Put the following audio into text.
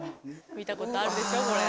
見たことあるでしょこれ。